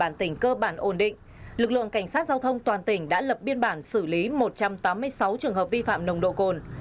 địa bàn tỉnh cơ bản ổn định lực lượng cảnh sát giao thông toàn tỉnh đã lập biên bản xử lý một trăm tám mươi sáu trường hợp vi phạm nồng độ cồn